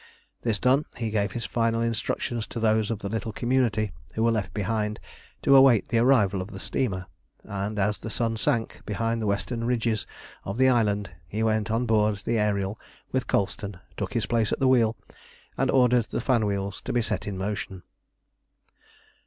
This done, he gave his final instructions to those of the little community who were left behind to await the arrival of the steamer, and as the sun sank behind the western ridges of the island, he went on board the Ariel with Colston, took his place at the wheel, and ordered the fan wheels to be set in motion.